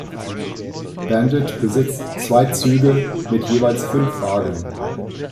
Bandit besitzt zwei Züge mit jeweils fünf Wagen.